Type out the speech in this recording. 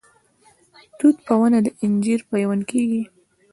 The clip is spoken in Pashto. د توت په ونه انجیر پیوند کیږي؟